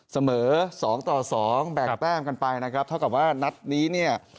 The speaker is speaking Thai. เสมอ๒๒แบกแต้มกันไปนะครับเท่ากับว่านัดนี้